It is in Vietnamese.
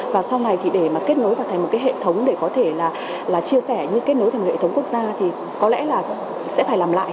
và sau này thì để mà kết nối vào thành một cái hệ thống để có thể là chia sẻ như kết nối thành một hệ thống quốc gia thì có lẽ là sẽ phải làm lại